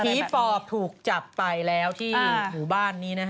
ปอบถูกจับไปแล้วที่หมู่บ้านนี้นะฮะ